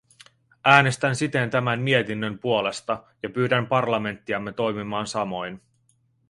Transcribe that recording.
Äänestän siten tämän mietinnön puolesta ja pyydän parlamenttiamme toimimaan samoin.